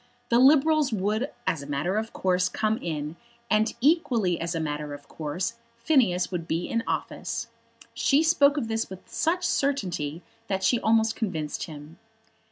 The Liberals would, as a matter of course, come in, and equally as a matter of course, Phineas would be in office. She spoke of this with such certainty that she almost convinced him.